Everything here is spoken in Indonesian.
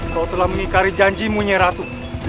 kau telah mengikari janji mu nya ratu